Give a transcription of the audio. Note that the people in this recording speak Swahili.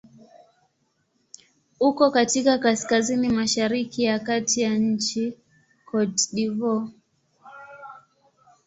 Uko katika kaskazini-mashariki ya kati ya nchi Cote d'Ivoire.